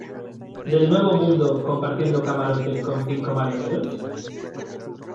del nuevo mundo compartiendo camarote con cinco marineros?